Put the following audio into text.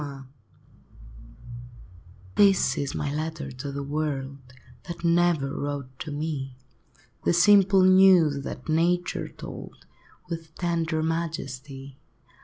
JT This is my letter to the world, That never wrote to me, The simple news that Nature told, With tender majesty.